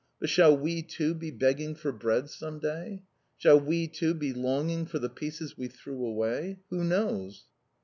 But shall we, too, be begging for bread some day? Shall we, too, be longing for the pieces we threw away? Who knows?